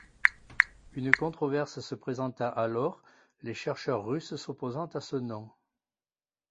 Une controverse se présenta alors, les chercheurs russes s'opposant à ce nom.